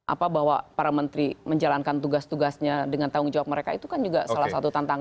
apa bahwa para menteri menjalankan tugas tugasnya dengan tanggung jawab mereka itu kan juga salah satu tantangan